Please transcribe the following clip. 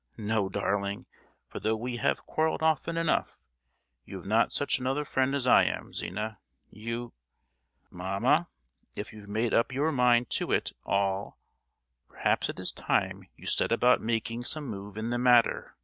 No, darling, for though we have quarrelled often enough, you have not such another friend as I am, Zina! You——" "Mamma, if you've made up your mind to it all, perhaps it is time you set about making some move in the matter.